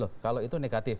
loh kalau itu negatif